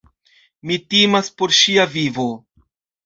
Mi timas por ŝia vivo.